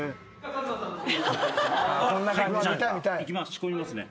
仕込みますね。